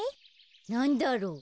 なんだろう？